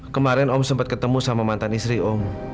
kemarin om sempat ketemu sama mantan istri om